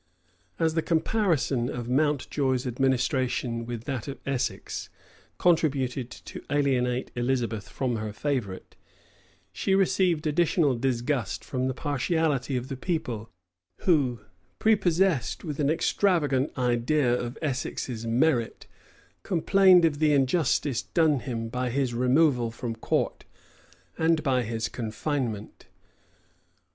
As the comparison of Mountjoy's administration with that of Essex contributed to alienate Elizabeth from her favorite, she received additional disgust from the partiality of the people, who, prepossessed with an extravagant idea of Essex's merit, complained of the injustice done him by his removal from court, and by his confinement.